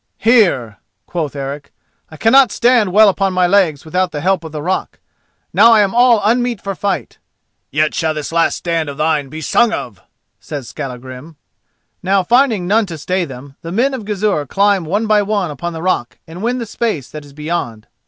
"Here," quoth Eric; "I cannot stand well upon my legs without the help of the rock. Now I am all unmeet for fight." "Yet shall this last stand of thine be sung of!" says Skallagrim. Now finding none to stay them, the men of Gizur climb one by one upon the rock and win the space that is beyond.